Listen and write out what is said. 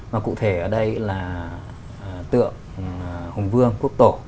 và cụ thể ở đây là tượng hùng vương quốc tổ